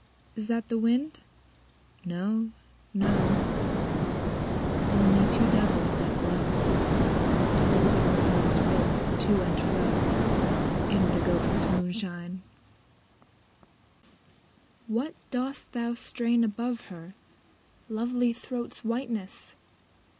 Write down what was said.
Is that the wind ? No, no ; Only two devils, that blow Through the murderer's ribs to and fro. In the ghosts' moi^ishine. THE GHOSTS* MOONSHINE, 39 III. What dost thou strain above her Lovely throat's whiteness